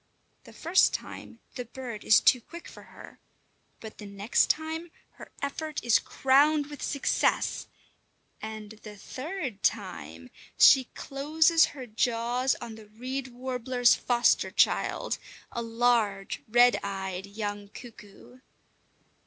The first time the bird is too quick for her, but the next time her effort is crowned with success; and the third time she closes her jaws on the reed warbler's foster child, a large, red eyed young cuckoo!